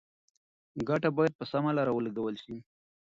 ګټه باید په سمه لاره ولګول شي.